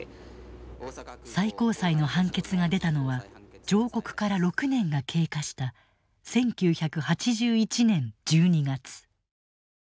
最高裁の判決が出たのは上告から６年が経過した１９８１年１２月。